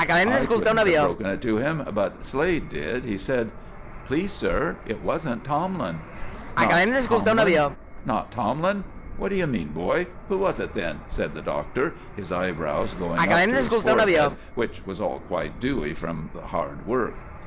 I couldn't have broken it to him, but Slade did. He said: "Please, sir, it wasn't Tomlin." "Not Tomlin not Tomlin! What d' you mean, boy? Who was it, then?" said the Doctor, his eyebrows going up on to his forehead, which was all quite dewy from the hard work.